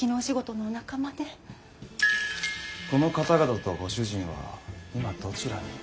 この方々とご主人は今どちらに？